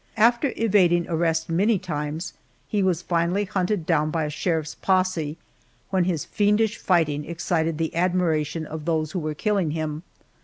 After evading arrest many times, he was finally hunted down by a sheriff's posse, when his fiendish fighting excited the admiration of those who were killing him.